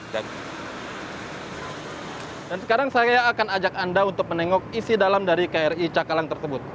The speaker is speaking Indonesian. dan sekarang saya akan ajak anda untuk menengok isi dalam dari kri cakalang tersebut